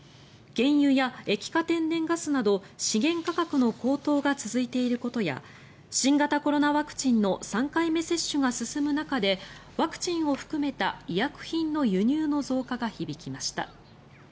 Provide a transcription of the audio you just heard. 原油や液化天然ガスなど資源価格の高騰が続いていることや新型コロナワクチンの３回目接種が進む中でワクチンを含めた医薬品の輸入の増加が響きました。